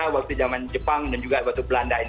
waktu zaman jepang dan juga waktu belanda